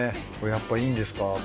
やっぱりいいんですか？